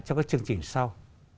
trong các chương trình sau